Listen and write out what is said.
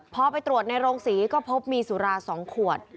พอไปตรวจในโรงศรีก็พบมีสุรา๒ขวด